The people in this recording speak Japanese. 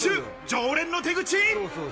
常連の手口！